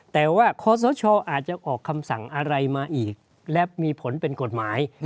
แต่ว่าคอสชอาจจะออกคำสั่งอะไรมาอีกและมีผลเป็นกฎหมาย